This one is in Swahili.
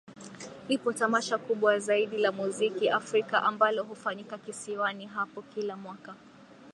Lipo Tamasha kubwa zaidi la muziki Africa ambalo hufanyika kisiwani hapo kila mwaka